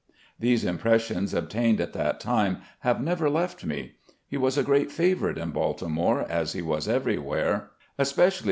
These impressions, obtained at that time, have never left me. He was a great favourite in Baltimore, as he was ever5rwhere, especially with ROBERT E.